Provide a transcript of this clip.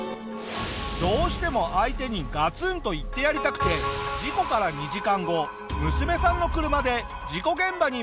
どうしても相手にガツンと言ってやりたくて事故から２時間後娘さんの車で事故現場に戻ってしまうんだ！